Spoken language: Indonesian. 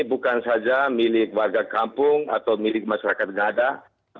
bukan saja milik warga kampung atau milik masyarakat gadah